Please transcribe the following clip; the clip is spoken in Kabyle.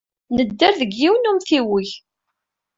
Nedder deg yiwen n umtiweg.